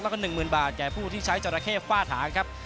แล้วก็๑๐๐๐บาทแก่ผู้ที่ใช้จราเข้ฝ้าถางครับ